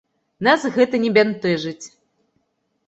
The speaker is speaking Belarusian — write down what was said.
Нас гэта не бянтэжыць!